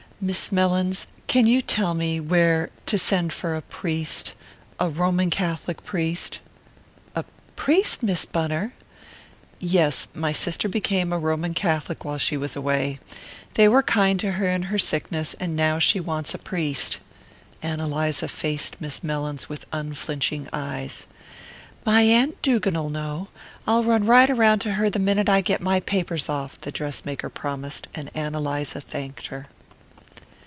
"Miss Mellins, can you tell me where to send for a priest a Roman Catholic priest?" "A priest, Miss Bunner?" "Yes. My sister became a Roman Catholic while she was away. They were kind to her in her sickness and now she wants a priest." Ann Eliza faced Miss Mellins with unflinching eyes. "My aunt Dugan'll know. I'll run right round to her the minute I get my papers off," the dress maker promised; and Ann Eliza thanked her.